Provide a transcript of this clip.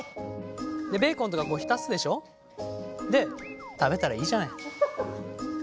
ベーコンとかこう浸すでしょ？で食べたらいいじゃない。